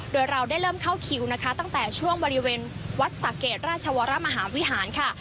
โดยเราได้เริ่มเข้าคิวนะคะตั้งแต่ช่วงบริเวณวัดสะเกดราชวรมหาวิหารค่ะ